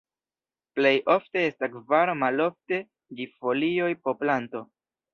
Plej ofte estas kvar, malofte ĝis folioj po planto.